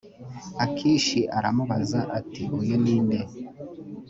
akishi aramubaza ati uyu ninde